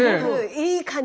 いい感じ。